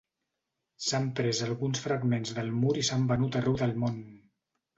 S'han pres alguns fragments del mur i s'han venut arreu del món.